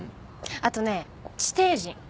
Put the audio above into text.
あとね地底人。